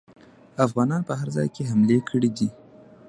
افغانانو په هر ځای کې حملې کړي دي.